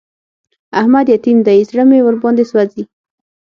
احمد يتيم دی؛ زړه مې ور باندې سوځي.